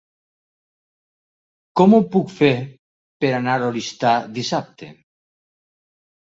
Com ho puc fer per anar a Oristà dissabte?